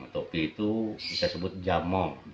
topi itu bisa disebut jamong